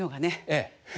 ええ。